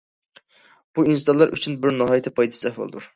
بۇ ئىنسانلار ئۈچۈن بىر ناھايىتى پايدىسىز ئەھۋالدۇر.